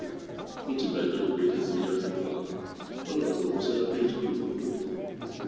プーチン大統領の言説にあったのがまずはロシア系住民の保護ですね。